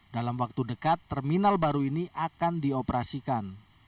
dalam waktu dekat terminal baru ini akan dioperasikan